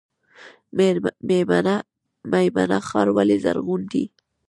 میمنه ښار ولې زرغون دی؟